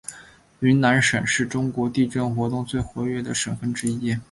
云南省是中国地震活动最活跃的省份之一。